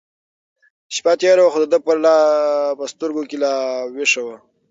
شپه تېره وه خو د ده په سترګو کې لا وېښه وه.